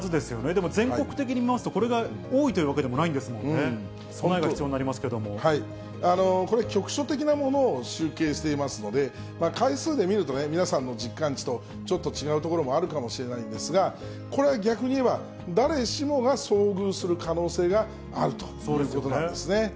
でも、全国的に見ますと、これが多いというわけでもないんですもんね、備えが必要になりまこれ、局所的なものを集計していますので、回数で見るとね、皆さんの実感値とちょっと違うところもあるかもしれないんですが、これは逆に言えば、誰しもが遭遇する可能性があるということなんですね。